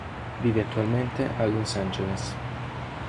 Vive attualmente a Los Angeles.